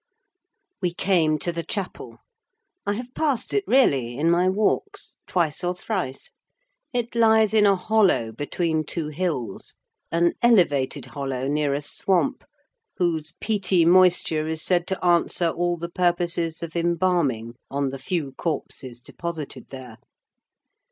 We came to the chapel. I have passed it really in my walks, twice or thrice; it lies in a hollow, between two hills: an elevated hollow, near a swamp, whose peaty moisture is said to answer all the purposes of embalming on the few corpses deposited there.